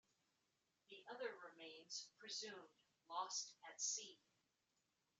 The other remains presumed "lost at sea".